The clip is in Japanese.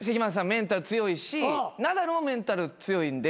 メンタル強いしナダルもメンタル強いんで。